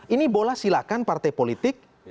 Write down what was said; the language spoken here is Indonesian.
ini bola silakan partai politik